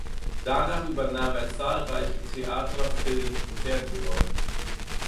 Danach übernahm er zahlreiche Theater-, Film- und Fernsehrollen.